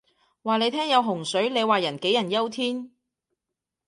話你聽有洪水，你話人杞人憂天